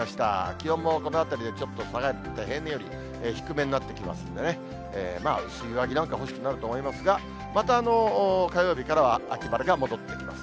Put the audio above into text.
気温もこのあたりでちょっと下がって、平年より低めになってきますんでね、まあ、薄い上着なんか欲しくなると思いますが、また火曜日からは秋晴れが戻ってきます。